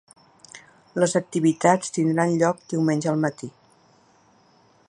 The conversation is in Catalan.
Les activitats tindran lloc diumenge al matí.